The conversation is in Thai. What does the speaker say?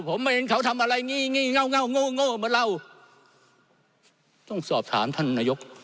ผมเห็นเขาทำอะไรงี่งี่เงาเงาเงาเงาเหมือนเราต้องสอบถามท่านนโยค